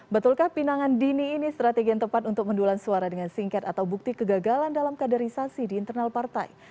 betulkah pinangan dini ini strategi yang tepat untuk mendulan suara dengan singkat atau bukti kegagalan dalam kaderisasi di internal partai